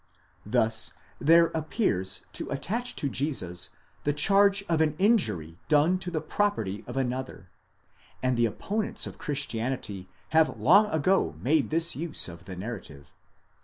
Thus there appears to attach to Jesus the charge of an injury done to the property of another, and the opponents of Christianity have long ago made this use of the narrative.